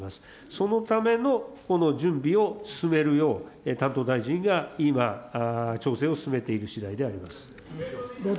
そのためのこの準備を進めるよう、担当大臣が今、調整を進めているしだいであります。